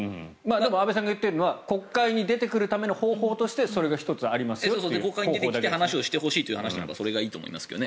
安部さんが言っているのは国会に出てくるための方法として国会に出てきて話をしてほしいという話ならそれがいいと思いますがね。